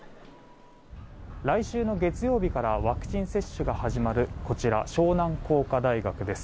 来週の月曜日からワクチン接種が始まるこちら湘南工科大学です。